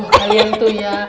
kalian tuh ya